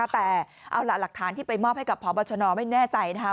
แต่หลักฐานที่ไปมอบให้กับพบัชนอภ์ไม่แน่ใจนะคะ